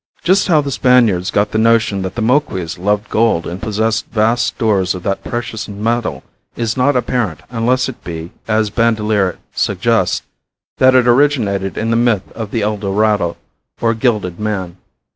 Just how the Spaniards got the notion that the Moquis loved gold and possessed vast stores of that precious metal is not apparent unless it be, as Bandelier suggests, that it originated in the myth of the El Dorado, or Gilded Man.